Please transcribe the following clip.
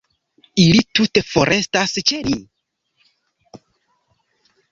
Ili tute forestas ĉe ni.